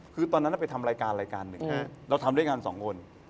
คือตอนนั้นไปทำรายการรายการหนึ่งเราทำด้วยกันสองคน